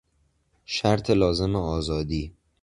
شرط لازم آزادی